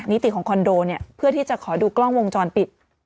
นิติของคอนโดเนี่ยเพื่อที่จะขอดูกล้องวงจรปิด